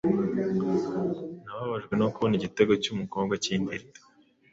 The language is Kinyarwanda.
nababajwe no kubona igitego cy'umukobwa kindirira